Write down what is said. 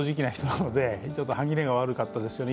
なので歯切れが悪かったですね。